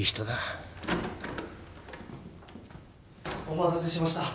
・お待たせしました。